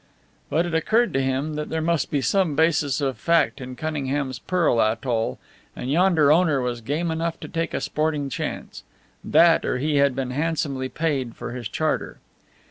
But it occurred to him that there must be some basis of fact in Cunningham's pearl atoll, and yonder owner was game enough to take a sporting chance; that, or he had been handsomely paid for his charter.